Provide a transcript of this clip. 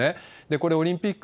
これ、オリンピック